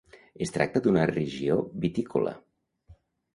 Es tracta d'una regió vitícola.